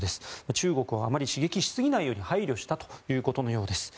中国をあまり刺激しすぎないように配慮したということです。